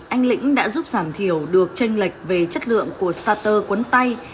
anh lĩnh đã giúp giảm thiểu được tranh lệch về chất lượng của starter quấn tay